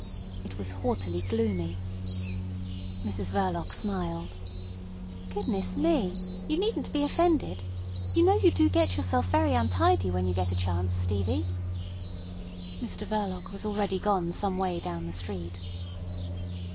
It was haughtily gloomy. Mrs Verloc smiled. "Goodness me! You needn't be offended. You know you do get yourself very untidy when you get a chance, Stevie." Mr Verloc was already gone some way down the street.